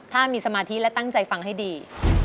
ถ้ามีสมาธิและตั้งใจฟังให้ดี